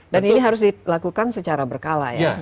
ini harus dilakukan secara berkala ya